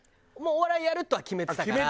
もうお笑いやるとは決めてたから。